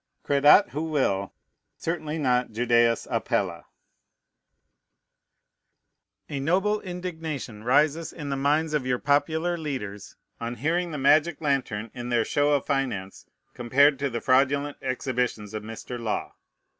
Credat who will, certainly not Judæus Apella. A noble indignation rises in the minds of your popular leaders, on hearing the magic lantern in their show of finance compared to the fraudulent exhibitions of Mr. Law.